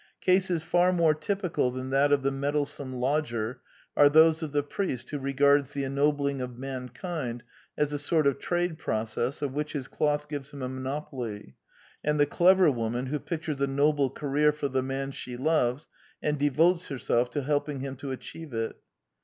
Cases far more typical than that of the meddlesome lodger are those of the priest who regards the ennobling of mankind as a sort of trade process of which his cloth gives him a monopoly, and the clever woman who pictures a noble career for the man she loves, and devotes herself to helping him to achieve it.